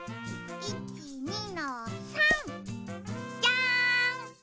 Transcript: １２の３。じゃん。